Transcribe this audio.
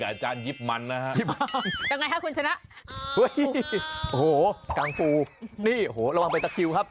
อาจารย์อาจารย์ยังสบายดีไหมคะ